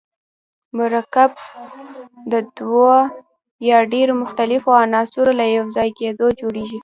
مرکب د دوه یا ډیرو مختلفو عناصرو له یوځای کیدو جوړیږي.